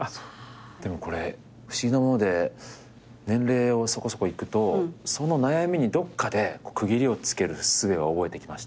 でもこれ不思議なもので年齢をそこそこいくとその悩みにどっかで区切りをつけるすべは覚えてきました。